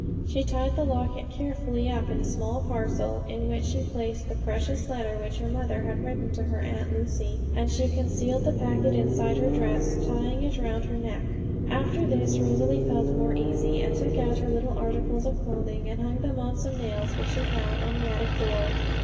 She tied the locket carefully up in a small parcel, in which she placed the precious letter which her mother had written to her Aunt Lucy, and she concealed the packet inside her dress, tying it round her neck. After this Rosalie felt more easy, and took out her little articles of clothing, and hung them on some nails which she found on the attic door.